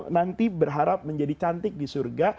nanti berharap menjadi cantik di surga